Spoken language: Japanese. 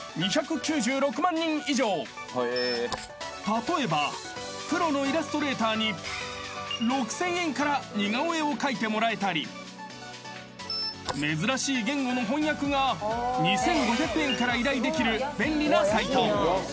［例えばプロのイラストレーターに６，０００円から似顔絵を描いてもらえたり珍しい言語の翻訳が２，５００円から依頼できる便利なサイト］